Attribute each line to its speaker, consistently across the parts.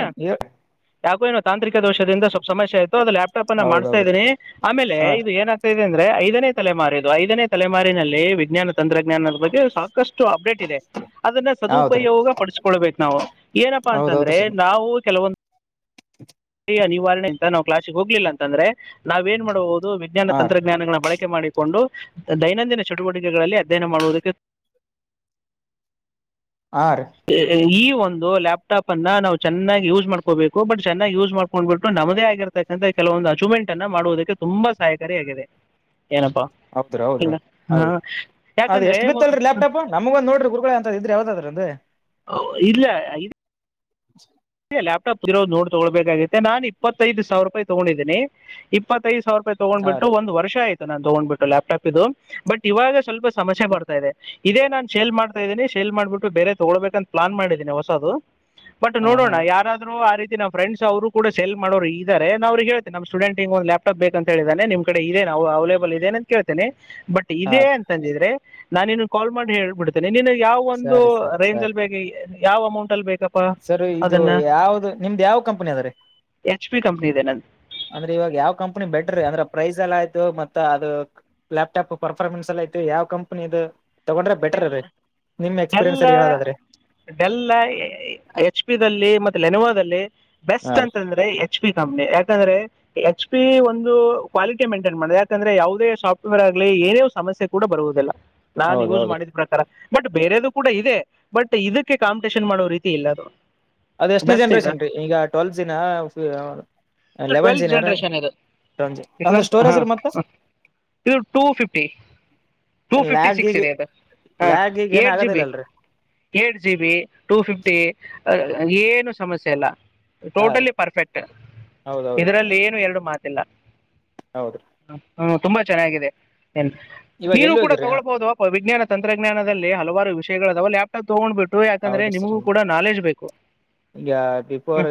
Speaker 1: ಹ ಯಾಕೋ ಏನು ತಾಂತ್ರಿಕ ದೋಷದಿಂದ ಸ್ವಲ್ಪ ಸಮಸ್ಯೆ ಆಯ್ತು ಅದು ಲ್ಯಾಪ್ಟಾಪ್ ಅನ್ನ ಮಾಡಿಸ್ತಾ
Speaker 2: ಹೌದೌದ್ರಿ
Speaker 1: ಇದ್ದೀನಿ ಆಮೇಲೆ
Speaker 2: ಹಾ
Speaker 1: ಇದು ಏನಾಗ್ತಾ ಇದೆ ಅಂದ್ ದ್ರೆ ಐದಾನೆ ತಲೆಮಾರಿ ಐದನೇ ತಲೆಮಾರಿನಲ್ಲಿ ವಿಜ್ಞಾನ ತಂತ್ರಜ್ಞಾನದ ಬಗ್ಗೆ ಸಾಕಷ್ಟು ಅಪ್ಡೇಟ್ ಇದೆ ಅದನ್ನ
Speaker 2: ಹೌದ್ರಿ
Speaker 1: ಸದುಪಯೋಗ ಪಡಿಸಕೊಳ್ಬೇಕು ನಾವು ಏನಪ್ಪಾ ಅಂತಂದ್ರೆ
Speaker 2: ಹೌದೌದ್ರಿ ಸರ್
Speaker 1: ಯಾವು [unintelligible] ಕೆಲವೊಂದ್
Speaker 2: [unintelligible]
Speaker 1: [unintelligible] ನಿವಾರಣೆ ಅಂತ ನಾವು ಕ್ಲಾಸಿಗೆ ಹೋಗ್ಲಿಲ್ಲ ಅಂತಂದ್ರೆ ನಾವ ಏನ್ ಮಾಡಬುದು ವಿಜ್ಞಾನ
Speaker 2: ಹಾ ರೀ
Speaker 1: ತಂತ್ರಜ್ಞಾನಗಳ ಬಳಕ್ ಕೆ ಮಾಡಿಕೊಂಡು ದೈನಂದಿನ ಚಟುವಟಿಕೆಗಳಲ್ಲಿ ಅಧ್ಯಯನ ಮಾಡುವುದಕ್ಕೆ
Speaker 2: ಹಾ ರೀ
Speaker 1: ಈ [unintelligible] ಒಂದು ಲ್ಯಾಪ್ಟಾಪ್ ಅನ್ನ ನನಾವ್ ಚೆನ್ನಾಗಿ ಯೂಸ್ ಮಾಡ್ಕೋಬೇಕು ಬಟ್ ಚೆನ್ನಾಗಿ ಯೂಸ್ ಮಾಡ್ಕೊಂಡ್ಬಿಟ್ಟು ನಮ್ಮದೇ ಆಗಿರ್ತಕ್ಕಂಥ ಕೆಲವೊಂದು ಅಚೀವ್ಮೆಂಟ್ ಅನ್ನ ಮಾಡುವುದಕ್ಕೆ ತುಂಬಾ ಸಹಾಯಕಾರಿಯಗಿದೆ
Speaker 2: ಹೌದ್ರ ಹೌದ್ರಿ ಹೌದು ಅದ
Speaker 1: ಯಾಕಂದ್ರೆ
Speaker 2: ಎಷ್ಟ್
Speaker 1: ಮೊ-
Speaker 2: ಬಿತ್ತಲ್ರಿ ಲ್ಯಾಪ್ಟಾಪ ನಮಗೊಂದ ನೋಡ್ರ ಗುಳ [unintelligible] ಅಂತ ಇದ್ರೆ ಯಾವ್ದಾದ್ರ ಅ
Speaker 1: ಇಲ್ಲ ಇ [unintelligible]
Speaker 2: [unintelligible]
Speaker 1: ಲ್ಯಾಪ್ಟಾಪ್ ಇರೋ ನೋಡ್ [unintelligible] ತಗೊಬೇಕಾಗಿುತ್ತೆ ನಾನ ಇಪ್ಪತ್ತೈದುಾವರ ರೂಪಾಯಿ ತಗೊಂಡೀನಿ ಇಪ್ಪತ್ತೈದು ಸಾವಿರ ತೊಗೊಂಡ್
Speaker 2: ಹಾ
Speaker 1: ಬಿಟ್ಟು ಒಂದ್ ವರ್ಷ ಆಯತು ನಾನು ತಗೊಂಡ್ ಬಿಟ್ಟು ಲ್ಯಾಪ್ಟಾಪ್ ಇದು ಬಟ್ ಇವಾಗ ಸ್ವಲ್ಪ ಸಮಸ್ಯೆ
Speaker 2: ರೀ
Speaker 1: ಬರ್ತಾ ಇದೆ ಇದೇ ನಾನ್ ಸೇಲ್ ಮಾಡ್ತಾ ಇದೀನಿ ಸೇಲ್ ಮಾಡ್ಬಿಟ್ಟು ಬೇರೆ ತಗಳ್ಬೇಕ ಅಂತ ಪ್ಲಾನ್ ಮಾಡೀನಿ ಹೊಸದು ಬಟ್
Speaker 2: ಹಾ
Speaker 1: ನೋಡೋಣ
Speaker 2: ಹಾ
Speaker 1: ಯಾರಾದ್ರು ಆ ರೀತಿ ನ ಫ್ರೆಂಡ್ಸ್ ಅವ್ರು ಕೂಡ ಸೆಲ್ ಮಾಡೋರು ಇದಾರೆ ನನ್ ಅವ್ರಿಗೆೇಳ್ತನೆ ನಮ್ಮ ಸ್ಟೂಡೆಂಟ್ಗೆ ಒಂದು ಲ್ಯಾಪಟಪ್ ಬೇಕ ಅಂತ ಹೇಳಿದೇನೆ ನಿಮ್ಮ ಕಡೆ ಇದೆ ನಾವು ಅವೈೇಬಲ್ ಇದೆ ಅಂತ ಕೇಳ್ತೇನೆ ಬಟ್
Speaker 2: ಹಾ
Speaker 1: ಇದೇ
Speaker 2: ರೀ
Speaker 1: ಅಂತಂದಿದ್ರೆ ನಾನು ಇನ್ನು ಕಾಲ್ ಮಾಡ ಹೇಳ್ಬಿಡ್ತೇನೆ ನಿನು ಯಾವ ಒಂದು
Speaker 2: ಸರಿ ಸರಿ
Speaker 1: ರೇಂಜ್
Speaker 2: ಸರಿ
Speaker 1: ಅಲ್ಲಿ ಬೇಗ ಯಾವ ಅಮೌಂಟ್ ಅಲ್ಲಿ ಬೇಕು
Speaker 2: ಸರ್ ಇದು ಇದು ಯಾವ್ದ ನಿಮ್ದ್ ಯಾವ ಕಂಪನಿ ಆದರಿ
Speaker 1: ಕಂಪನಿ ಇದೇ ನಂದು
Speaker 2: ಅಂದ್ರೆ ಇವಾಗ ಯಾವ್ ಕಂಪ್ನಿ ಬೆಟರ್ ಅಂದ್ರೆ ಪ್ರೈಸ್ ಎಲ್ಲ ಆಯ್ತು ಮತ್ತ ಅದು ಲ್ಯಾಪ್ಟಾಪ್ ಪರ್ಫಾರ್ಮೆನ್ಸ್ ಎಲ್ಲ ಆಯ್ತು ಯಾವ್ ಕಂಪ್ನಿದು
Speaker 1: ಡೆಲ್ ಡೆಲ್
Speaker 2: ಅಲ್ಲಿ ಹೇಳೋದಾದ್ರೆ
Speaker 1: ಡೆಲ್ ಎಚ್ ಪಿ ದಲ್ಲಿ ಮತ್ತೆ ಲೇನವದಲ್ಲಿ
Speaker 2: ಹಾ
Speaker 1: ಬೆಸ್ಟ್
Speaker 2: ರೀ
Speaker 1: ಅಂತಂದ್ರೆ ಎಚ್ ಪಿ ಕಂಪನಿ ಯಾಕಂದ್ರೆ ಎಚ್ ಪಿ ಒಂದು ಕ್ವಾಲಿಟಿ ಮೇಂಟೈನ್ ಮಾಡ ಯಾಕಂದ್ರೆ ಯಾವುದೇ ಸಾಫ್ಟ್ವೇರ್ ಆಗ್ಲಿ ಏನೇ ಸಮಸ್ಯೆ ಕೂಡ ಬರುವುದಿಲ್ಲ ನಾನ್
Speaker 2: ಹೌದ
Speaker 1: ಉಜ್
Speaker 2: ಹೌದ್ರಿ
Speaker 1: ಮಾಡಿದ ಪ್ರಕಾರ ಬಟ್ ಬೇರೆದು ಕೂಡ ಇದೆ ಬಟ್ ಇದಕ್ಕೆ ಕಾಂಪಿಟೇಷನ್ ಮಾಡೋ ರೀತಿ ಇಲ್ಲ ಅದು
Speaker 2: ಅದ ಎಷ್ಟನ
Speaker 1: ಬೆಸ್ಟ್ ಇದೆ
Speaker 2: ಜನ್ರೇಷನ್ ರೀ ಈಗ ಟ್ವೆಲ್ ಜಿನ
Speaker 1: ಇದು
Speaker 2: ಲೇವನ್
Speaker 1: ಟ್ವೆಲ್ತ್
Speaker 2: ಜಿನ
Speaker 1: ಜನರೇಷನ್ ಇದು
Speaker 2: ಅಂದ್ರ
Speaker 1: ಟ್ವೆಲ್ತ್ ಹಾ
Speaker 2: ಸ್ಟೋರಜ್ ರೀ ಮತ್ತ
Speaker 1: ಹಾ.
Speaker 2: [inaudible]
Speaker 1: ಇದು ಟೂ ಫಿಫ್ಟಿ
Speaker 2: ಲಾಗ್ ಗಿಗ್
Speaker 1: ಹಾ eight GB eight GB two fifty ಏನು ಸಮಸ್ಯೆ ಅಲ್ಲ
Speaker 2: ಹಾ ರೀ
Speaker 1: ಟೋಟಲಿ ಪರ್ಫೆಕ್ಟ್
Speaker 2: ಹೌದೌದ್ರಿ
Speaker 1: ಇದರಲ್ಲಿ ಏನು ಎರಡು ಮಾತು ಇಲ್ಲ
Speaker 2: ಹೌದ್ರಿ
Speaker 1: ಹ್ಮ್ ತುಂಬಾ ಚೆನ್ನಾಗಿದೆ
Speaker 2: ಇವಾಗ
Speaker 1: ನೀನು
Speaker 2: ಎಲ್ಲಿ
Speaker 1: ಕೂಡ
Speaker 2: ಹೋಗಿರಿ
Speaker 1: ತೊಗೊಳ್ಬಹುದೋಪ ವಿಜ್ಞಾನ ತಂತ್ರಜ್ಞಾನದಲ್ಲಿ ಹಲವಾರ ವಿಷಯಗಳದವ ಲ್ಯಾಪ್ಟಾಪ್ ತಗೊಂಡ್
Speaker 2: ಹೌದ್ರಿ ಸರ್ ಈಗ ಬಿಫೋರ್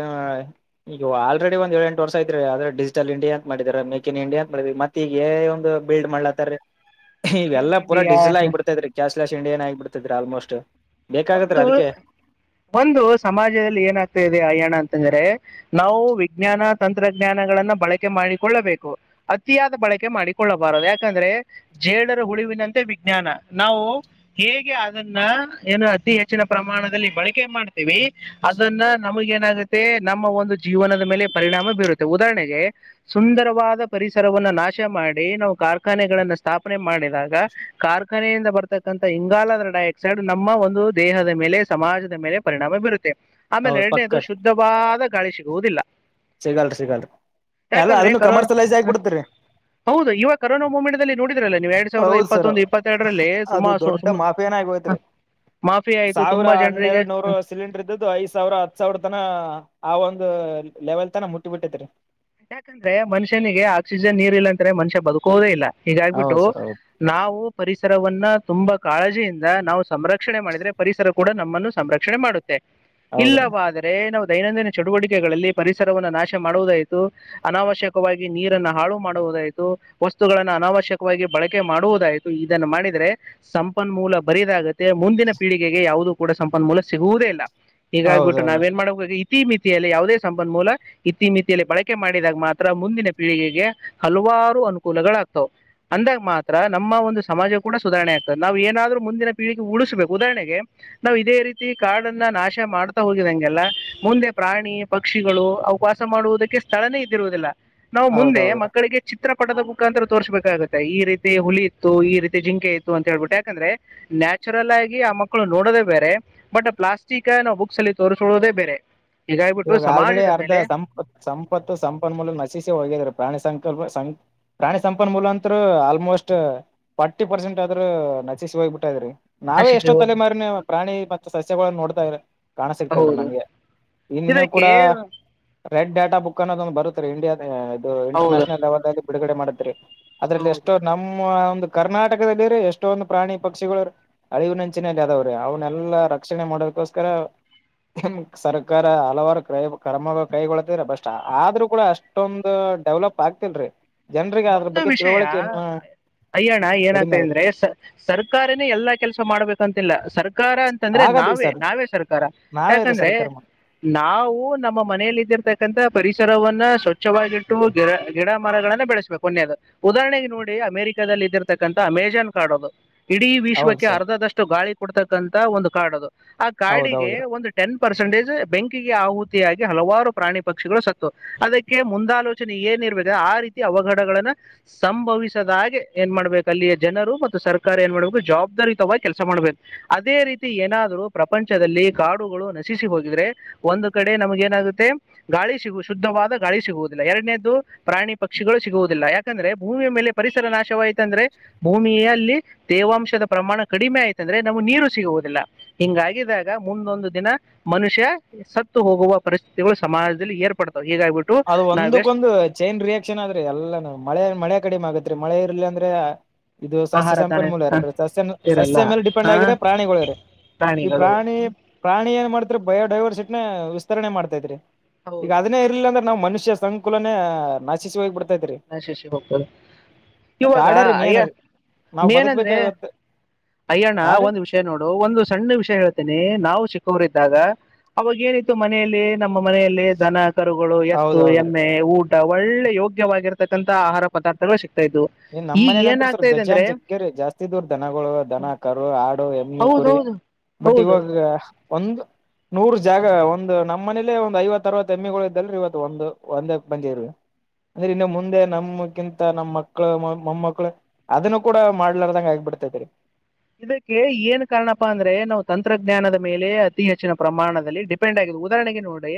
Speaker 2: ಈಗ ಆಲ್ರೆಡಿ ಒಂದ್ ಏಳೆಂಟು ವರ್ಷ ಆದ್ರೆ ಡಿಜಿಟಲ್ ಇಂಡಿಯಾ ಅಂತ ಮಾಡಿದಾರ ಮೇಕ್ ಇನ್ ಇಂಡಿಯಾ ಮಾಡಿದಿದ್ರು ಮತ್ತ ಈಗ ಒಂದ ಎ ಐ ಬಿಲ್ಡ್ ಮಾಡ್ಲತ್ತರೀ
Speaker 1: ಸ್ಕಿಲ್
Speaker 2: ಇವೆಲ್ಲ ಪೂರ
Speaker 1: ಇಂಡಿಯಾ
Speaker 2: ಡಿಸೆಲ್ ಆಗ್ಬಿಡುತ್ತೆ ರೀ ಕ್ಯಾಶಲೆಸ್ ಇಂಡಿಯನ್ ಆಗ ಬಿಡ್ತಿದ್ರೆ ಆಲ್ಮೋಸ್ಟ್ ಬೇಕಾಗ
Speaker 1: ಒಂದು ಒಂದು ಸಮಾಜದಲ್ಲಿ ಏನಾಗ್ತಾ ಇದೆ ಅಯಾಣ ಅಂತ ಅಂದ್ರೆ ನಾವು ವಿಜ್ಞಾನ ತಂತ್ರಜ್ಞಾನಗಳನ್ನ ಬಳಕೆ ಮಾಡಿಕೊಳ್ಳಬೇಕು ಅತಿಯಾದ ಬಳಕೆ ಮಾಡಿಕೊಳ್ಳಬಾರದು ಯಾಕಂದ್ರೆ ಜೇಡರ ಹುಳಿವಿನಂತೆ ವಿಜ್ಞಾನ ನಾವು ಹೇಗೆ ಅದನ್ನ ಏನು ಅತಿ ಹೆಚ್ಚಿನ ಪ್ರಮಾಣದಲ್ಲಿ ಬಳಕೆ ಮಾಡ್ತೀವಿ ಅದನ್ನ ನಮಗ ಏನಾಗುತ್ತೆ ನಮ್ಮ ಒಂದು ಜೀವನದ ಮೇಲೆ ಪರಿಣಾಮ ಬೀರುತ್ತೆ ಉದಾಹರಣೆಗೆ ಸುಂದರವಾದ ಪರಿಸರವನ್ನ ನಾಶ ಮಾಡಿ ನಾವು ಕಾರ್ಖಾನೆಗಳನ್ನ ಸ್ಥಾಪ ನೆ ಮಾಡಿದಾಗ ಕಾರ್ ಕನೆಯಿಂದ ಬರ್ತಕ್ಕಂಥ ಇಂಗಾಲದ ಡೈ ಆಕ್ಸೈಡ್ ನಮ್ಮ ಒಂದು ದೇಹದ ಮೇಲೆ ಸಮಾಜದ ಮೇಲೆ ಪರಿಣಾಮ ಬೀರುತ್ತೆ ಆಮೇಲೆ
Speaker 2: ಹೌದ್
Speaker 1: ಎರಡನೇದು
Speaker 2: ಪಕ್ಕರ್
Speaker 1: ಶುದ್ಧವಾದ ಗಾಳಿ ಸಿಗುವುದಿಲ್ಲ
Speaker 2: ಸಿಗಲ್ರಿ ಸಿಗಲ್ರಿ ಎಲ್ಲ
Speaker 1: ಯಾಕಂದ್ರೆ
Speaker 2: ಅದನ್ನು
Speaker 1: ಕರೋ
Speaker 2: ಕಮರ್ಷಿಯಲೈಸ್ ಆಗ್ಬಿಡ್ತರಿ
Speaker 1: ಹೌದು ಇವಾಗ ಕರೋನಾ ಮೂಮೆಂಟ್ಲ್ಲಿ ನೋಡಿದ್ರಲ್ಲ ನೀವು ಎರಡ್ ಸಾವಿರದ
Speaker 2: ಹೌದ್ ಸರ್
Speaker 1: ಇಪ್ಪತ್ತೊಂದು ಇಪ್ಪತ್ತೆರಡರಲ್ಲಿ ತುಂಬಾ
Speaker 2: ಅದು
Speaker 1: ಸ
Speaker 2: ದೊಡ್ಡ
Speaker 1: ಸುಮ
Speaker 2: ಮಾಫಿಯಾನ ಆಗೋಯ್ತ್ರಿ ಸಾವಿರ
Speaker 1: ಜನರಿಗೆ
Speaker 2: ಹನ್ನೆರಡು ನೂರು ಸಿಲಿಂಡರ್ ಇದ್ದದ್ದು ಐದ್ ಸಾವಿರ ಹತ್ ಸಾವಿರ ತನ ಆ ಒಂದು ಲೆವೆಲ್ ತನ ಮುಟ್ಟಿ ಬಿಟ್ಟೈತಿರಿ
Speaker 1: ಯಾಕಂದ್ರೆ ಮನುಷ್ಯನಿಗೆ ಆಕ್ಸಿಜನ್ ನೀರ್ ಇಲ್ಲಾಂದ್ರ ಮನುಷ್ಯ ಬದುಕೋದೇ ಇಲ್ಲ ಹೀಗಾಗಿಬಿಟ್ಟು
Speaker 2: ಹೌದು ಸರ್ ಹೌದು
Speaker 1: ನಾವು ಪರಿಸರವನ್ನ ತುಂಬಾ ಕಾಳಜಿಯಿಂದ ನಾವು ಸಂರಕ್ಷಣೆ ಮಾಡಿದ್ರೆ ಪರಿಸರ ಕೂಡ ನಮ್ಮನ್ನು ಸಂರಕ್ಷಣೆ ಮಾಡುತ್ತೆ
Speaker 2: ಹೌದ್ರಿ
Speaker 1: ಇಲ್ಲವಾದ್ರೆ ನಾವು ದೈನಂದಿನ ಚಟುವಟಿಕೆಗಳಲ್ಲಿ ಪರಿಸರವನ್ನು ನಾಶ ಮಾಡುವುದ ಅನಾವಶ್ಯಕವಾಗಿ ನೀರನ್ನು ಹಾಳು ಮಾಡುವುದಾಯ್ತು ವಸ್ತುಗಳನ್ನು ಅನಾವಶ್ಯಕವಾಗಿ ಬಳಕೆ ಮಾಡುವುದಾಯ್ತು ಇದನ್ನು ಮಾಡಿದ್ರೆ ಸಂಪನ್ಮೂಲ ಬರಿದಾಗುತ್ತೆ ತೆ ಮುಂದಿನ ಪೀಳಿಗೆಗೆ ಯಾವುದು ಕೂಡ ಸಂಪನ್ಮೂಲ ಸಿಗುವುದೇ ಇಲ್ಲ ಈಗ ಆಗ್ಬಿಟ್ಟು ನಾವ್
Speaker 2: ಹೌದೌದು
Speaker 1: ಏನ್ ಮಾಡಬೇಕ ಈ ಇತಿ ಮಿತಿಯಲ್ಲಿ ಯಾವುದೇ ಸಂಪನ್ಮೂಲ ಇತ್ತೀಮಿತಿಯಲ್ಲಿ ಬಳಕೆ ಕೆ ಮಾಡಿದಾಗ ಮಾತ್ರ ಮುಂದಿನ ಪೀಳಿಗೆಗೆ ಹಲವಾರು ಅನುಕೂಲಗಳಾಗ ಆಗ್ತವು ಅಂದಾಗ ಮಾತ್ರ ನಮ್ಮ ಒಂದು ಸಮಾಜ ಕೂಡ ಸುಧಾರಣೆ ಆಗ್ತದೆ ನಾ್ ಏನಾದರೂ ಮುಂದಿನ ಪೀಳಿಗೆ ಉಳಿಸ್ಬೇಕು ಉದಾಹರಣೆಗೆ ನಾವು ಇದೇ ರೀತಿ ಕಾಡನ್ನ ನಾಶ ಮಾಡ್ತಾ ಹೋಗಿದಂಗೆಲ್ಲ ಮುಂದೆ ಪ್ರಾಣಿ ಪಕ್ಷಿಗಳು ಅವುಕ್ ವಾಸ ಮಾಡುವುದಕ್ಕೆ ಸ್ಥಳನೆೇ ಇದ್ದಿರುವುದಿಲ್ಲ ನಾವು ಮುಂದೆ
Speaker 2: ಹೌದೌದು
Speaker 1: ಮಕ್ಕಳಿಗೆ ಚಿ ಚಿತ್ರ ಪಟದ ಬುಕ್ ಅಂತ ತೋರಿಸ್ಬೇಕಾಗುತ್ತೆ ಈ ರೀತಿ ಹುಲಿ ಇತ್ತು ಈ ರೀತಿ ಜಿಂಕೆ ಇತ್ತು ಅಂತ ಹೇಳ್ಬಿಟ್ಟು ಯಾಕಂದ್ರೆ ನ್ಯಾಚುರಲ್ ಆಗಿ ಆ ಮಕ್ಕಳು ನೋಡೋದೇ ಬೇರೆ ಬಟ್ ಪ್ಲಾಸ್ಟಿಕ್ ನಾವು ಬುಕ್ಸ್ ಅಲ್ಲಿ ತೋರಿಸೊಳ್ಳೋದೇ ಬೇರೆ ಹೀಗಾಗ್ಬಿಟ್ಟು
Speaker 2: ಇವಾಗ ಆಲ್ರಡಿ
Speaker 1: ಸಮಾಜದ
Speaker 2: ಅರ್ಧ
Speaker 1: ಮೇಲೆ
Speaker 2: ಸಂಪ ಪ್ಪತ್ತು ಸಂಪನ್ಮೂಲಕ ನಸಿಸಿ ಹೋಗಿದರಿ ಪ್ರಾಣಿ ಸಂಕಲ್ಪ ಸಂಕ ಪ್ರಾಣಿ ಸಂಪನ್ಮೂಲ ಅಂತ ಆಲ್ಮೋಸ್ಟ್ ಫಾರ್ಟಿ ಪರ್ಸೆಂಟ್ ಆದ್ರೂ ನಚಿಸಿ ಹೋಗ್ಬಿಟ್ಟದ್ರರಿ ನಾವೇ
Speaker 1: ನಶಿಸಿ
Speaker 2: ಎಷ್ಟೊ
Speaker 1: ಹೋಗ
Speaker 2: ತಲೆ ಮಾರನೇ ಪ್ರಾಣಿ ಮತ್ತೆ ಸ ನ್ನ ನೋಡ್ತಾ ಇ್ರ ಕಾಣಸಕ್ತಲ್ರ
Speaker 1: ಹೌದು
Speaker 2: ನಮ್ಗೆ ಇನ್ನು ಕೂಡ
Speaker 1: ಇದಕ್ಕೆ
Speaker 2: ರೆಡ್ ಡಾಟಾ ಬುಕ್ ಅನ್ನದೊಂದು ಬರುತ್ತ ರ ಇಂಡಿಯಾ
Speaker 1: ಹೌದು
Speaker 2: ಇಂಟರ್ನ್ಯಾಷನಲ್ ಲೆವಲ್ಲ್ಲಿ ಬಿಡುಗಡೆ ಮಾಡ ಮತ್ರಿ ಅದ್ರಲ್ಲಿ
Speaker 1: ಹೌದು
Speaker 2: ಎಷ್ಟೋ ನಮ್ಮ ಒಂದು ಕರ್ನಾಟಕದಲ್ಲಿ ರೀ ಎಷ್ಟೊಂದು ಪ್ರಾಣಿ ಪಕ್ಷಿಗಳು ಅಳಿವಿನೆಂಚಿನಲ್ಲಿ ಅದಾವ್ರೀ ಅವನ್ನೆಲ್ಲಾ ರಕ್ಷಣೆ ಮಾಡೋದಕೋಸ್ಕರ ಸರ ಕಾರ ಹಲವಾರು ಕೈ ಕ್ರಮ ಕೈಗಳ್ತ್ರ ಬಸ್ಟ್ ಆದ್ರೂ ಕೂಡ ಅಷ್ಟೊಂದ್ ಡೆವಲಪ್ ಆಗ್ತಿಲ್ರಿ ಜನರಿಗೆ ಅದ್ರ
Speaker 1: ಒಂದು
Speaker 2: ಬಗ್ಗೆ
Speaker 1: ವಿಷಯ
Speaker 2: ತಿಳುವಳಿಕೆ ಇನ್ನು
Speaker 1: ಅಯ್ಯಣ
Speaker 2: ಕಡಿಮೆ
Speaker 1: ಏನಾಗ್ತದೆ
Speaker 2: ಆದ್ರಿ
Speaker 1: ಅಂದ್ರೆ ಸರ್ಕಾರನೇ ಎಲ್ಲಾ ಕೆಲಸ ಮಾಡ್ಬೇಕಂತಿಲ್ಲ ಸರ್ಕಾರ ಸರ್ಕಾರ ಅಂತಂದ್ರೆ
Speaker 2: ಆಗದ್ರಿ
Speaker 1: ನಾವೇ
Speaker 2: ಸರ್
Speaker 1: ನಾವೇ ಸರ್ಕಾರ
Speaker 2: ನಾವೇ ರೀ
Speaker 1: ಯಾಕಂದ್ರೆ
Speaker 2: ಸರ್ ಕರ್ಮ
Speaker 1: ನಾವು ನಮ್ಮ ಮನೆಯಲ್ಲಿ ಇದ್ದಿರ್ತಕ್ಕಂತಥ ಪರಿಸರವನ್ನ ಸ್ವಚ್ಛವಾಗಿಟ್ಟು ಗಿಡ ಗಿಡ ಮರಗಳನ್ನ ಬೆಳೆಸ ಪನ್ಯದ ಉದಾಹರಣೆಗೆ ನೋಡಿ ಅಮೆರಿಕದಲ್ಲಿ ಇದ್ದಿರ್ತಕ್ಕಂಥ ಅಮೆಜಾನ್ ಕಾಡೋದು ಇಡೀ
Speaker 2: ಹೌದ್
Speaker 1: ವಿಶ್ವಕ್ಕೆ
Speaker 2: ಸರ್
Speaker 1: ಅರ್ಧದಷ್ಟು ಗಾಳಿ ಕೊಡ್ತಕ್ಕಂತ ಒಂದು ಕಾರ್ಡ್ ಅದು ಆ ಕಾಡಿಗೆ
Speaker 2: ಹೌದೌದ್ರೀ
Speaker 1: ಒಂದು ಟೆನ್ ಪರ್ಸೆಂಟೇಜ್ ಬೆಂಕಿಗೆ ಆಹುತಿಯಾಗಿ ಹಲವಾರು ಪ್ರಾಣಿ ಪಕ್ಷಿಗಳು ಸತ್ತು ಅದಕ್ಕೆ ಮುಂದಾಲೋಚನೆ ಏನಿರಬೇಕಿದೆ ಆ ರೀತಿ ಅವಘಡ ಸಂಭವಿಸದಾಗೆ ಏನ್ ಮಾಡ್ಬೇಕು ಅಲ್ಲಿಯ ಜನರು ಮತ್ತು ಸರ್ಕಾರ ಏನ್ ಮಾಡ್ಬೇಕು ಜವಾಬ್ದಾರುತವಾಗಿ ಕೆಲಸ ಮಾಡ್ಬೇಕು ಅದೇ ರೀತಿ ಏನಾದರೂ ಪ್ರಪಂಚದಲ್ಲಿ ಕಾಡುಗಳು ನಶಿಸಿ ಹೋಗಿದ್ರೆ ಒಂದು ಕಡೆ ನಮ್ಗೆ ಏನಾಗುತ್ತೆ ಗಾಳಿ ಸಿಗುವ ಶುದ್ಧವಾದ ಗಾಳಿ ಸಿಗುವುದಿಲ್ಲ ಎರಡನೇದು ಪ್ರಾಣಿ ಪಕ್ಷಿಗಳು ಸಿಗುವುದು ಇ ಯಾಕಂದ್ರೆ ಭೂಮಿಯ ಮೇಲೆ ಪರಿಸರ ನಾಶವಾಯಿತು ಅಂದ್ರೆ ಭೂಮಿಯಲ್ಲಿ ತೇವಾಂಶದ ಪ್ರಮಾಣ ಕಡಿಮೆ ಆಯ್ತು ಅಂದ್ರೆ ನಮಗೆ ನೀರು ಸಿಗುವುದಿಲ್ಲ ಹಿಂಗಾಗಿದಾಗ ಮುಂದೊಂದು ದಿನ ಮನುಷ್ಯ ಸತ್ತು ಹೋಗುವ ಪರಿಸ್ಥಿತಿಗಳು ಸಮಾಜದಲ್ಲಿ ಏರ್ಪಡ್
Speaker 2: ಅದು ಒಂದಕ್ಕೊಂದು ಚೈನ್ ರಿಯಾಕ್ಷನ್ ಆದ್ರೆ ಎಲ್ಲ ನಾವು ಮಳೆ ಮಳೆ ಕಡಿಮೆ ಆಗತ್ರಿ ಮಳೆ ಇರ್ಲಿ ಅಂದ್ರೆ ಇದು ಸಸ್ಯ
Speaker 1: ಆಹಾರ ತಾನೇ
Speaker 2: ಸಂಪನ್ಮೂಲ ಇರಲ್ ಸಸ್ಯ
Speaker 1: ಇರಲ್ಲ
Speaker 2: ಸಸ್ಯ ಮೇಲೆ ಡಿಪೆಂಡ್
Speaker 1: ಆ
Speaker 2: ಆಗಿದ್ರೆ ಪ್ರಾಣಿಗಳು ಇ ಈ
Speaker 1: ಪ್ರಾಣಿಗಳು
Speaker 2: ಪ್ರಾಣಿ ಪ್ರಾಣಿ ಏನ್ ಮಾಡ ಬಯೋಡೈವರ್ಸಿಟ ನ ವಿಸ್ತರಣೆ ಮಾಡ್ತಾ ಇದ್ರರಿ ಈಗ
Speaker 1: ಹೌದು
Speaker 2: ಅದನ್ನೇ ಇರ್ಲ ಅಂದ್ರೆ ಮನುಷ್ಯ ಸಂಕುಲನೆ ನಾಶಿಸವಾಗಿ ಬಿಡೆ
Speaker 1: ನಶಿಸಿ ಹೋಗ್ಬೋದು ಇವಾಗ
Speaker 2: ಕಾಡೇ ರೀ
Speaker 1: ಅಯ್ಯ
Speaker 2: ಮೇನ್ ರೀ ನಾವ್ ಬದುಕ್ಬೇಕ
Speaker 1: ಮಏನಂದ್ರೆ
Speaker 2: ಇವತ್ತು
Speaker 1: ಅಯ್ಯಣ್ಣ
Speaker 2: ಹಾ ರೀ
Speaker 1: ಒಂದ ವಿಷಯ ನೋಡು ಒಂದು ಸಣ್ಣ ವಿಷಯ ಹೇಳ್ತೇನಿ ನಾವು ಅವರಿದ್ದಾಗ ಅವಾಗ ಏನಿತ್ತು ಮನೆಯಲ್ಲಿ ನಮ್ಮ ಮನೆಯಲ್ಲಿ ದನ ಕರುಗಳು ಎತ್ತು
Speaker 2: ಹೌದ್ ಹೌದ್ರಿ
Speaker 1: ಎಮ್ಮೆ ಊಟ ಒಳ್ಳೆ ಯೋಗ್ಯವಾಗಿರುತ್ತೆ ಇತಕ್ಕಂಂತ ಆಹಾರ ಪದಾರ್ಥಗಳು ಸಿಗ್ತಾ ಇದ್ವು
Speaker 2: ಏನ್ ನಮ್ಮ್
Speaker 1: ಈಗ
Speaker 2: ಮನೇಲಿ ಅತ್ ಸರ್
Speaker 1: ಏನಾಗ್ತಾ ಇದೆ ಅಂದ್ರೆ
Speaker 2: ಬೇಜಾನ್ ಜಗ್ಗೇರಿ ಜಾಸ್ತಿದವರ್ ದನಗಳು ದನ ಕರು ಆಡು ಎಮ್ಮೆ
Speaker 1: ಹೌದು
Speaker 2: ಕುರಿ
Speaker 1: ಹೌದು
Speaker 2: ಬಟ್
Speaker 1: ಹೌದು
Speaker 2: ಇವಾಗ ಒಂದು ನೂರ ಜಾಗ ಒಂದು ನಮ್ಮ ಮನೇಲೆೇ ಒಂದು ಐವತ್ತ ಅರವತ್ತು ಎಮ್ಮಿಗಳು ಇದ್ದಲ್ ಇವತ್ತು ಒಂದು ಒಂದೇ ಮಂದಿ ಇರ್ ಅಂದ್ರೆ ಇನ್ನು ಮುಂದೆ ನಮ್ಮಕ್ಕಿಂತ ನಮ್ಮ ಮಕ್ಕಳು ಮೊ ಮಕ್ಳು ಅದನ್ನು ಕೂಡ ಮಾಡ್ಲಾರದಂಗ ಆಗಬಿಡ್ತೈತಿರಿ
Speaker 1: ಇದಕ್ಕೆ ಏನ್ ಕಾರಣಪ್ಪಾ ಅಂದ್ರೆ ನಾವ್ ತಂತ್ ತಂತ್ರಜ್ಞಾನದ ಮೇಲೆ ಅತಿ ಹೆಚ್ಚಿನ ಪ್ರಮಾಣದಲ್ಲಿ ಡಿಪೆಂಡ್ ಆಗಿದೆ ಉದಾಹರಣೆಗೆ ನೋಡಿ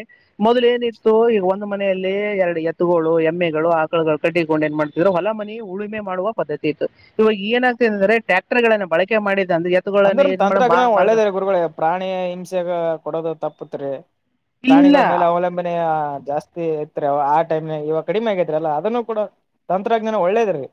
Speaker 1: ಮೊದಲ ಏನಿತ್ತು ಈಗ ಒಂದು ಮನೆಯಲ್ಲಿ ಎರಡು ಎತ್ತುಗಳು ಎಮ್ಮೆಗಳು ಆಕುಗಳು ಕಟ್ಟಿಕೊಂಡು ಏನ್ ಮಾಡ್ತಿದ್ರು ಹೊಲ ಮನ ಉಳುಮೆ ಮಾಡುವ ಪದ್ಧತಿ ಇತ್ತು ಇವಾಗ ಏನಾಗ್ತದೆ ಅಂದ್ರೆ ಟ್ರ್ಯಾಕ್ಟರ್ ಗಳನ್ನ ಬಳಕೆ ಮಾಡಿ
Speaker 2: ಅಂದ್ರ ತಂತ್ರಜ್ಞಾನ ಒಳ್ಳೇದೇ ಗುರುಗಳ ಪ್ರಾಣಿ ಹಿಂಸೆಗ ಕೊಡೋದು ತಪ್ಪತ್ರಿ ಪ್ರಾಣಿಗಳ
Speaker 1: ಇಲ್ಲ
Speaker 2: ಮೇಲೆ ಅವಲಂಬನೆಯ ಜಾಸ್ತಿ ಜಾತಿ ಇತ್ರಿ ಆಟೈಮ್ ಇಗ ಕಡಿಮೆ ಆಗೈತ್ರಿ ಅಲ್ಲ ಅದನ್ನನು ಕೂಡ ತಂತ್ರಜ್ಞಾನ ಒಳ್ಳೇದೆ ರೀ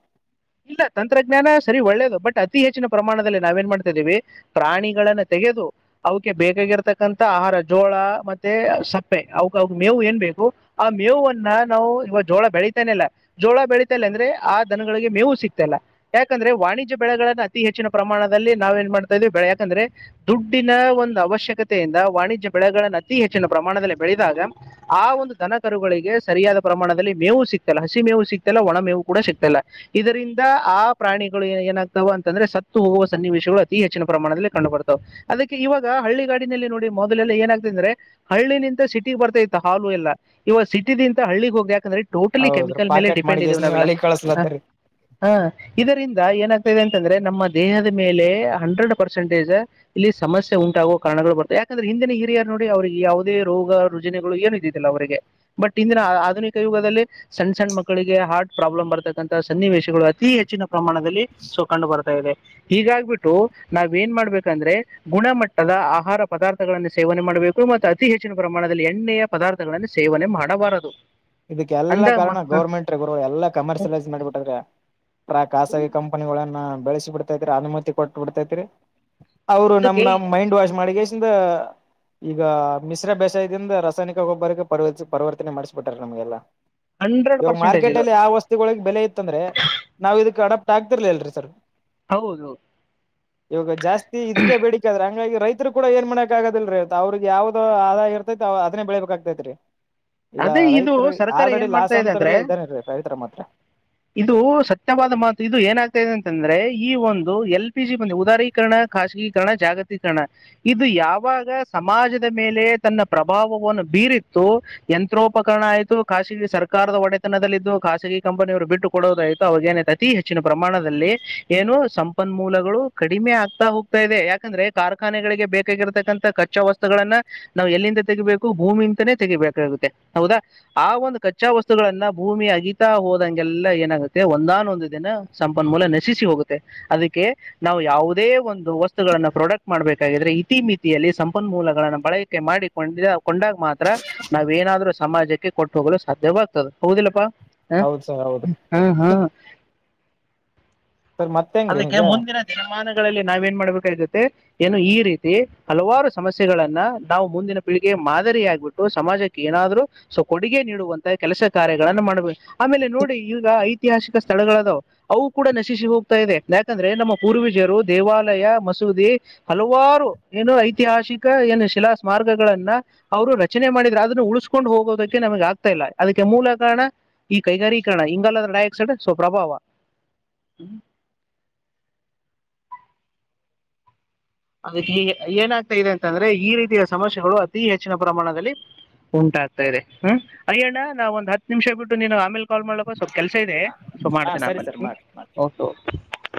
Speaker 1: ಇಲ್ಲ ತಂತ್ರಜ್ಞಾನ ಸರಿ ಒಳ್ಳೇದು ಬಟ್ ಅತಿ ಹೆಚ್ಚಿನ ಪ್ರಮಾಣದಲ್ಲಿ ನಾವ ಏನ್ ಮಾಡ್ತಾ ಇದಿದ್ದೀವಿ ಪ್ರಾಣಿಗಳನ್ನ ತೆಗೆದು ಅವಕ ಬೇಕಾಗಿರ್ತಕ್ಕಂತ ಆಹಾರ ಜೋಳ ಮತ್ತೆ ಸಪ್ಪೆ ಅ ಅವ ಮೇವು ಏನ್ ಬೇಕು ಆ ಮೇವನ್ನ ನಾವು ಇವಾಗ ಜೋಳ ಬೆಳೀತನೆಲ್ಲ ಜೋಳ ಬೆಳಿತಲ್ಲ ಅಂದ್ರೆ ಆ ದನಗಳಿಗೆ ಮೇವು ಸಿಗ್ತಲ್ಲ ಯಾಕಂದ್ರೆ ವಾಣಿಜ್ಯ ಬೆಳೆಗಳನ್ನ ಅತಿ ಹೆಚ್ಚಿನ ಪ್ರಮಾಣದಲ್ಲಿ ನಾವ ಏನ್ ಮಾಡ್ತಾ ಇದೀವಿ ಬೆ ಯಾಕಂದ್ರೆ ದುಡ್ಡಿನ ಒಂದು ಅವಶ್ಯಕತೆಯಿಂದ ವಾಣಿಜ್ಯ ಬೆಳೆಗಳನ್ನ ಅತಿ ಹೆಚ್ಚಿನ ಪ್ರಮಾಣದಲ್ಲಿ ಬೆಳೆದಾಗ ಆ ಒಂದು ದನ ಕರುಗಳಿಗೆ ಸರಿಯಾದ ಪ್ರಮಾಣದಲ್ಲಿ ಮೇವು ಸಿಕ್ತಲ್ಲ ಹಸಿ ಮೇವು ಸಿಕ್ತಲ್ಲ ಒಣ ಮೇವು ಕೂಡ ಸಿಗ್ತಲ್ಲ ಇದರಿಂದ ಆ ಪ್ರಾಣಿಗಳುಏ ಏನಾಗ್ತಾವ ಅಂತಂದ್ರೆ ಸತ್ತು ಹೋಗುವ ಸನ್ನಿವೇಶಗಳು ಅತಿ ಹೆಚ್ಚಿನ ಪ್ರಮಾಣದಲ್ಲಿ ಕಂಡು ಬರ್ತವೆ ಅದಕ್ಕೆ ಇವಾಗ ಹಳ್ಳಿ ಗಾಡಿನಲ್ಲಿ ನೋಡಿ ಮೊದಲೆಲ್ಲ ಏನಾಗ್ತದೆ ಅಂದ್ರೆ ಹಳ್ಳಿಂತ ಸಿಟಿ ಬರ್ತೈತ್ತು ಹಾಲು ಎಲ್ಲ ಇವಾಗ ಸಿಟಿ ನಿಂದ ಹಳ್ಳಿಗ್ ಹೋಗ್ಯಾ ಯಾಕಂದ್ರೆ ಟೋಟಲಿ
Speaker 2: ಹೌದ್ರಿ
Speaker 1: ಕೆಮಿಕಲ್ ಮೇಲೆ
Speaker 2: ಪಾಕೆಟ್
Speaker 1: ಡಿಪೆಂಡ್
Speaker 2: ಮಾಡಿ
Speaker 1: ಇದೇ
Speaker 2: ಎಸ್ ನೀವ್
Speaker 1: ನಾವೆಲ್ಲಾ
Speaker 2: ಅಲಿ
Speaker 1: ಹ
Speaker 2: ಕಳಸ್ಲತ್ತರಿ
Speaker 1: ಹ ಇದರಿಂದ ಏನಾಗ್ತಾ ಇದೆ ಅಂತಂದ್ರೆ ನಮ್ಮ ದೇಹದ ಮೇಲೆ ಹಂಡ್ರೆಡ್ ಪರ್ಸೆಂಟೇಜ್ ಇಲ್ಲಿ ಸಮಸ್ಯೆ ಉಂಟಾಗುವ ಕಾರಣಗಳು ಬರ್ತವೆ ಯಾಕಂದ್ರೆ ಹಿಂದಿನ ಹಿರಿಯರ್ ನೋಡಿ ಅವ್ರಿಗೆ ಯಾವುದೇ ರೋಗ ರುಜಿನಿಗಳು ಏನು ಇದಲ್ಲ ಅವರಿಗೆ ಬಟ್ ಇಂದಿನ ಆಧುನಿಕ ಯುಗದಲ್ಲಿ ಸಣ್ಣ ಸಣ್ಣ ಮಕ್ಕಳಿಗೆ ಹಾರ್ಟ್ ಪ್ರಾಬ್ಲಮ್ ಬರತಕ್ಕಂತ ಸನ್ನಿವೇಶಗಳು ಅತಿ ಹೆಚ್ಚಿನ ಪ್ರಮಾಣದಲ್ಲಿ ಸೊ ಕಂಡು ಬರ್ತಾ ಇದೆ ಹೀಗಾಗ್ಬಿಟ್ಟು ನಾವ್ ಏನ್ ಮಾಡ್ಬೇಕಂದ್ರೆ ಗುಣಮಟ್ಟದ ಆಹಾರ ಪದಾರ್ಥಗಳನ್ನು ಸೇವನೆ ಮಾಡ್ಬೇಕು ಮತ್ತ ಅತಿ ಹೆಚ್ಚಿನ ಪ್ರಮಾಣದಲ್ಲಿ ಎಣ್ಣೆಯ ಪದಾರ್ಥಗಳನ್ನು ಸೇವನೆ ಮಾಡಬಾರದು
Speaker 2: ಇದಕ್ಕೆ ಎಲ್ಲಾ
Speaker 1: ಅಂದಾಗ
Speaker 2: ಕಾರಣ
Speaker 1: ಮ-
Speaker 2: ಗೌರ್ಮೆಂಟ್ ಎಲ್ಲ ಕಮರ್ಷಿಯಲೈಸ್ ಮಾಡಿಬಿಟ್ಟರು ಖಾಸಗಿ ಕಂಪನಿಗಳನ್ನ ಬೆಳೆಸಿ ಬಿಡ್ತೈತ್ರಿ ಅನುಮತಿ ಕೊಟ್ಟ ಬಿಡ್ತೈತ್ರಿ ಅವರು
Speaker 1: ಇದಕ್ಕೆ
Speaker 2: ನಮ್ನ ಮೈಂಡ್ ವಾಶ್ ಮಾಡಿಗೆ ಈಗ ಮಿಶ್ರ ಬೇಸಾಯದಿಂದ ರಾಸಾಯನಿಕ ಗೊಬ್ಬರಕ್ಕೆ ಪ ಪರಿವರ್ತನೆ ಮಾಡ್ಸಬೇಕು ನಮ್ಗೆಲ್ಲಾ
Speaker 1: ಹಂಡ್ರೆಡ್
Speaker 2: ಇವಾಗ
Speaker 1: ಪರ್ಸೆಂಟೇಜ್
Speaker 2: ಮಾರ್ಕೆಟ್
Speaker 1: ಇದು
Speaker 2: ಅಲ್ಲಿ ಯಾವ ವಸ್ತುಗಳಿಗೆ ಬೆಲೆ ಇತ್ತಂದ್ರೆ ನಾವ್ ಇದಕ್ ಅಡ ಆಕ್ತಿರ್ಲಿ ಅಲ್ರಿ ಸರ್
Speaker 1: ಹೌದು
Speaker 2: ಇವಾಗ ಜಾಸ್ತಿ ಇದಕ್ಕೆ ಬೇಡಿಕ ಆದ್ರೆ ಹಂಗಾಗಿ ರೈತರು ಕೂಡ ಏನ್ ಮನೆಕ್ ಆಗೋದಲ್ರರಿ ಅವ್ರಗ್ ಯಾವ್ದೋ ಆದಾಯ ಇರ್ತೈತಿ ಅದನ್ನೇ ಬೆಳಿಬೇಕಾಗಗ್ತೈತ್ರಿ
Speaker 1: ಅದೇ ಇದು ಸರ್ಕಾರ ಏನ್ ಮಾಡ್ತಾ ಇದೆ ಅಂದ್ರೆ
Speaker 2: ಇದಾರೆ ರೈತರ ಮಾತ್ರ
Speaker 1: ಇದು ಸತ್ಯವಾದ ಮಾತು ಇದು ಏನಾಗ್ತಾ ಇದೆ ಅಂತಂದ್ರೆ ಈ ಒಂದು ಎಲ್ ಪಿ ಜಿ ಬಂದೆ ಉದಾರೀಕರಣ ಖಾಸಗೀಕರಣ ಜಾಗತೀಕರಣ ಇದು ಯಾವಾಗ ಸಮಾಜದ ಮೇಲೆ ತನ್ನ ಪ್ರಭಾವವನ್ನು ಬೀರಿತ್ತು ಯಂತ್ರೋಪಕರಣ ಆಯ್ತು ಖಾಸಗಿ ಸರ್ಕಾರದ ಒಡೆತನದಲ್ಲಿದ್ದು ಖಾಸಗಿ ಕಂಪನಿಯವರು ಬಿಟ್ಟು ಕೊಡೋದಾಯ್ತು ಅವಾಗೇನ ಅತಿ ಹೆಚ್ಚಿನ ಪ್ರಮಾಣದಲ್ಲಿ ಏನು ಸಂಪನ್ಮೂಲಗಳು ಕಡಿಮೆ ಆಗ್ತಾ ಹೋಗ್ತಾ ಇದೆ ಯಾಕಂದ್ರೆ ಕಾರ್ಖಾನೆಗಳಿಗೆ ಬೇಕಾಗಿರತಕ್ಕಂತಥ ಕಚ್ಚಾ ವಸ್ತುಗಳನ್ನ ನಾವು ಎಲ್ಲಿಂದ ತೆಗಿಬೇಕು ಭೂಮಿಂತನೇ ತೆಗಿಬೇಕಾಗತ್ತು ಹೌದಾ ಆ ಒಂದು ಕಚ್ಚಾ ವಸ್ತುಗಳನ್ನ ಭೂಮಿ ಅಗಿತಾ ಹೋದಂಗೆಲ್ಲ ಏನಾಗುತ್ತೆ ಒಂದಾನೊಂದು ದಿನ ಸಂಪನ್ಮೂಲ ನಶಿಸಿ ಹೋಗುತ್ತೆ ಅದಕ್ಕೆ ನಾವು ಯಾವವುದೇ ಒಂದು ವಸ್ತುಗಳನ್ನ ಪ್ರೊಡಕ್ಟ್ ಮಾಡ್ಬೇಕಾಗಿದ್ರೆ ಇತಿಮಿತಿಯಲ್ಲಿ ಸಂಪನ್ಮೂಲಗಳನ್ನ ಬಳಕೆ ಮಾಡಿಕೊಂಡಿದ ಕೊಂಡಾಗ ಮಾತ್ರ ನಾವೇಏನಾದ್ರೂ ಸಮಾಜಕ್ಕೆ ಕೊಟ್ಟು ಹೋಗಲು ಸಾಧ್ಯವಾಗ್ತದೆ ಹೌದಿಲ್ಲಪ್ಪಾ ಹ
Speaker 2: ಹೌದ್ ಸರ್ ಹೌದು
Speaker 1: ಹಾ ಹಾ
Speaker 2: ಸರ್ ಮತ್ತ ಹೆಂಗ್ರೀ ಈಗ
Speaker 1: ಗಳಲ್ಲಿ ನಾವ ಏನ್ ಮಾಡ್ಬೇಕಾಗಿರುತ್ತೆ ಏನು ಈ ರೀತಿ ಹಲವಾರು ಸಮಸ್ಯೆಗಳನ್ನ ನಾವು ಮುಂದಿನ ಪೀಳಿಗೆ ಮಾದರಿ ಆಗ್ಬಿಟ್ಟು ಸಮಾಜಕ್ಕೆ ಏನಾದ್ರು ಸೊ ಕೊಡುಗೆ ನೀಡುವಂತ ಕೆಲಸ ಕಾರ್ಯಗಳಗಳನ್ನು ಮಾಡ್ಬೇಕ ಆಮೇಲೆ ನೋಡಿ ಈಗ ಐ ಐತಿಹಾಸಿಕ ಸ್ಥಳಗಳದವು ಅವು ಕೂಡ ನಶಿಸಿ ಹೋಗ್ತಾ ಇದೆ ಯಾಕಂದ್ರೆ ನಮ್ಮ ಪೂರ್ವೀಜರು ದೇವಾಲಯ ಮಸೂದಿ ಹಲವಾರು ಏನು ಐತಿಹಾಸಿಕ ಏನು ಶಿಲಾ ಸ್ಮಾರ್ಗಗಳನ್ನ ಅವರು ರಚನೆ ಮಾಡಿದ್ರ ಆದ ಉಳಿಸಕೊಂಡು ಹೋಗೋದಕ್ಕೆ ನಮಗೆ ಆಗ್ತಾ ಇಲ್ಲ ಅದಕ್ಕೆ ಮೂಲ ಕಾರಣ ಈ ಕೈಗಾರೀಕರಣ ಹಂಗಲ್ಲದ್ರ ಡೈಆಕ್ಸೈಡ್ ಸ್ ಪ್ರಭಾವ ಅದ ಏನಾಗ್ತಾ ಇದೆ ಅಂತಂದ್ರೆ ಈ ರೀತಿಯ ಸಮಸ್ಯೆಗಳು ಅತಿ ಹೆಚ್ಚಿನ ಪ್ರಮಾಣದಲ್ಲಿ ಉಂಟಾಗ್ತಾ ಇದೆ ಹ್ಮ್ ಅಯ್ಯಣ್ಣ ನಾವ್ ಒಂದ್ ಹತ್ ನಿಮಿಷ ಬಿಟ್ಟು ನಿನ್ ಆಮೇಲೆ ಕಾಲ್ ಮಾಡಲಕ್ಕ ಕೆಲಸ ಇದೆ ಸೊ
Speaker 2: ಹಾ
Speaker 1: ಮಾಡ್ತನೆ
Speaker 2: ಸರಿ ಸರ್
Speaker 1: ಆಮೇಲ್ಲಿ
Speaker 2: ಮಾಡ್ರಿ ಮಾಡ್ರಿ
Speaker 1: ಓಕೆೆ